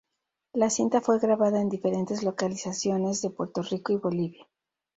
La cinta fue grabada en diferentes localizaciones de Puerto Rico y Bolivia.